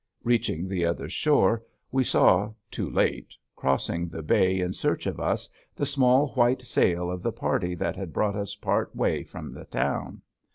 Reaching the other shore we saw, too late, crossing the bay in search of us the small white sail of the party that had brought us part way from the town.